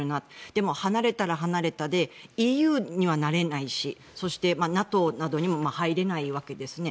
でも、離れたら離れたでＥＵにはなれないしそして、ＮＡＴＯなどにも入れないわけですね。